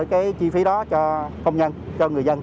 cái chi phí đó cho công nhân cho người dân